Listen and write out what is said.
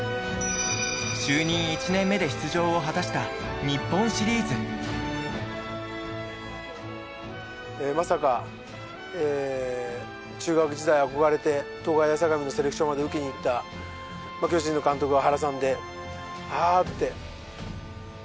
就任１年目で出場を果たした日本シリーズ。まさか中学時代憧れて東海大相模のセレクションまで受けに行った巨人の監督は原さんであーって。